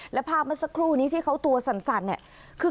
และภาพเมื่อสักครู่นี้ที่เขาตัวสั่นเนี่ย